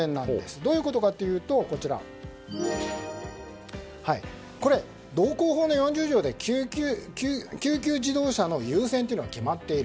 どういうことかっていうと道交法の４０条で緊急自動車の優先というのが決まっている。